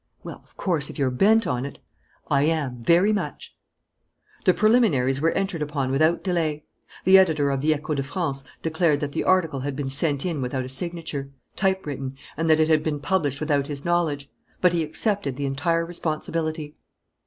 "Well, of course, if you're bent on it " "I am, very much." The preliminaries were entered upon without delay. The editor of the Echo de France declared that the article had been sent in without a signature, typewritten, and that it had been published without his knowledge; but he accepted the entire responsibility.